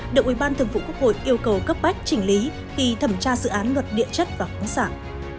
được ubthqh yêu cầu cấp bách chỉnh lý khi thẩm tra dự án luật địa chất vào khoáng sản